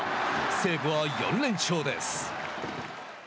西武は４連勝です。